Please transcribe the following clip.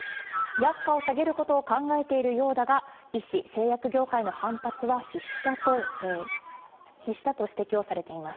薬価を下げることを考えているようだが、医師、製薬業界の反発は必至だと指摘をされています。